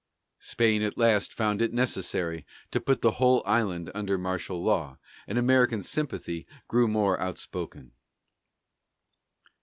Spain at last found it necessary to put the whole island under martial law, and American sympathy grew more outspoken.